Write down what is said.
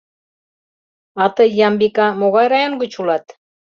А тый, Ямбика, могай район гыч улат?